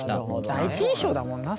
第一印象だもんな